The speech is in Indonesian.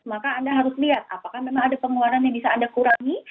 maka anda harus lihat apakah memang ada pengeluaran yang bisa anda kurangi